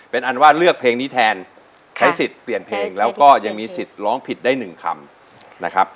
เป็นอันว่าเลือกเพลงนี้แทนใช้สิทธิ์เปลี่ยนเพลงแล้วก็ยังมีสิทธิ์ร้องผิดได้หนึ่งคำนะครับ